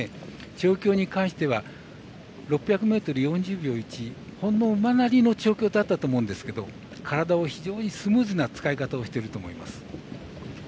調教に関しては６００ｍ４０秒１馬なりの調教だったと思うんですけど体を非常にスムーズな使い方をしていると思います。